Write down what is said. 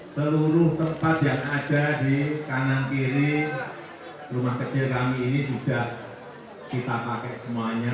seluruh tempat yang ada di kanan kiri rumah kecil kami ini sudah kita pakai semuanya